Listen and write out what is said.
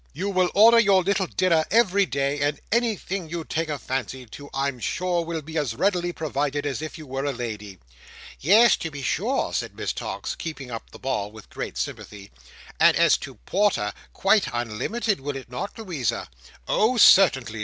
You will order your little dinner every day; and anything you take a fancy to, I'm sure will be as readily provided as if you were a Lady." "Yes to be sure!" said Miss Tox, keeping up the ball with great sympathy. "And as to porter!—quite unlimited, will it not, Louisa?" "Oh, certainly!"